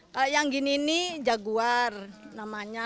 kalau yang gini ini jaguar namanya